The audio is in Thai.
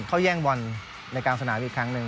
เขาแย่งบอลในกลางสนามอีกครั้งหนึ่ง